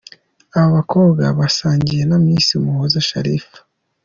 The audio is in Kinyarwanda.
Aba bakobwa basangiye na Miss Umuhoza Sharifah.